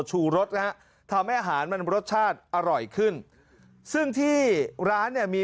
ชูรสนะฮะทำให้อาหารมันรสชาติอร่อยขึ้นซึ่งที่ร้านเนี่ยมี